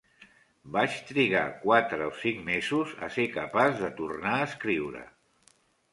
Vaig trigar quatre o cinc mesos a ser capaç de tornar a escriure.